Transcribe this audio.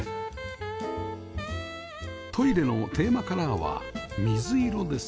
トイレのテーマカラーは水色です